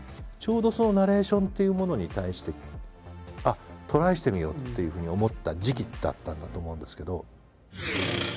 ちょうどそのナレーションっていうものに対してトライしてみようっていうふうに思った時期だったんだと思うんですけど。